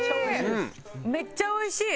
めっちゃ美味しい！